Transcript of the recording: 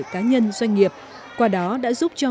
cá nhân doanh nghiệp qua đó đã giúp cho